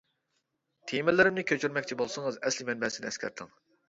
تېمىلىرىمنى كۆچۈرمەكچى بولسىڭىز، ئەسلى مەنبەسىنى ئەسكەرتىڭ!